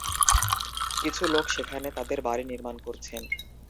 কিছু লোক সেখানে তাদের বাড়ি নির্মাণ করছেন।